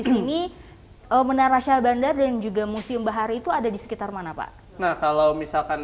sini menara syah bandar dan juga museum bahari itu ada di sekitar mana pak nah kalau misalkan